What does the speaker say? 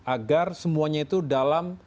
agar semuanya itu dalam